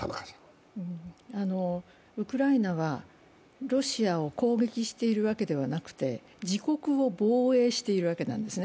ウクライナはロシアを攻撃しているわけではなくて、自国を防衛しているわけなんですね。